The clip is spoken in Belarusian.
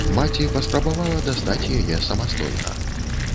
Маці паспрабавала дастаць яе самастойна.